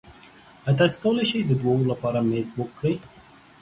ایا تاسو کولی شئ د دوو لپاره میز بک کړئ؟